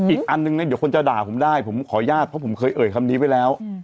อีกอันนึงเนี่ยเดี๋ยวคนจะด่าผมได้ผมขออนุญาตเพราะผมเคยเอ่ยคำนี้ไว้แล้ว